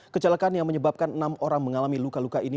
kecelakaan yang menyebabkan enam orang mengalami luka luka ini